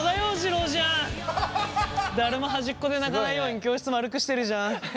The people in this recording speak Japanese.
誰も端っこで泣かないように教室丸くしてるじゃん。